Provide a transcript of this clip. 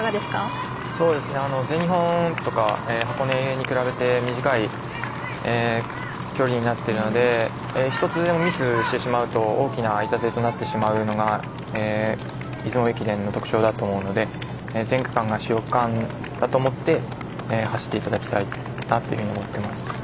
全日本とか箱根に比べて短い距離になっているので１つでもミスをしてしまうと大きな痛手となってしまうのが出雲駅伝の特徴だと思うので全区間が主要区間だと思って走っていただきたいと思っています。